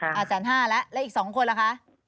อาจารย์๕แล้วแล้วอีก๒คนล่ะคะ